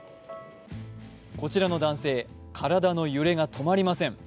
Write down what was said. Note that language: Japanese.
こちらの男性、体の揺れが止まりません。